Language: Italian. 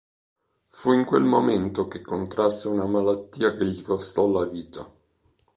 Fu in quel momento che contrasse una malattia che gli costò la vita.